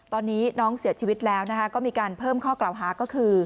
ตอนนี้น้องเสียชีวิตแล้วก็มีการเพิ่มข้อกล่าวหาก็คือ